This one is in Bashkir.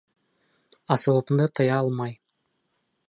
Асыуымды тыя алмай: